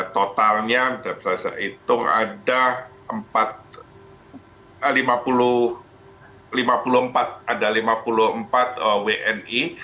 totalnya saya hitung ada lima puluh empat wni